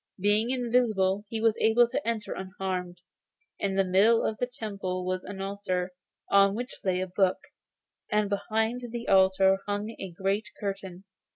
Being invisible, he was able to enter unharmed. In the middle of the temple was an altar, on which lay a book, and behind the altar hung a great curtain.